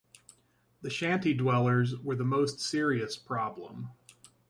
The shanty dwellers were the most serious problem.